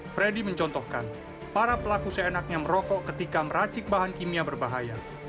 freddy mencontohkan para pelaku seenaknya merokok ketika meracik bahan kimia berbahaya